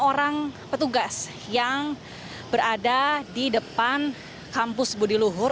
orang petugas yang berada di depan kampus budi luhur